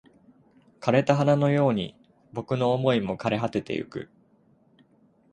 枯れた花のように僕の想いも枯れ果ててゆく